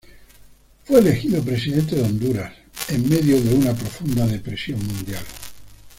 Fue elegido presidente de Honduras en medio de una profunda depresión mundial.